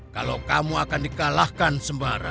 kalau kamu akan dikalahkan sembarang